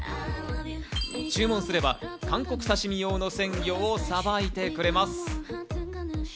注文すれば韓国刺し身用の鮮魚をさばいてくれます。